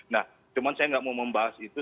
nah cuma saya nggak mau membahas itu